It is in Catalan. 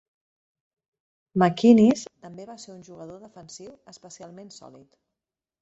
McInnis també va ser un jugador defensiu especialment sòlid.